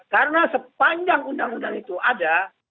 karena sepanjang undang undang itu ada